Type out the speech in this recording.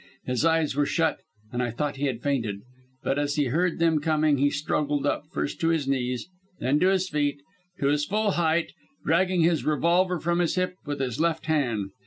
His eyes were shut, and I thought he had fainted. But as he heard them coming he struggled up, first to his knees and then to his feet to his full height dragging his revolver from his hip with his left hand.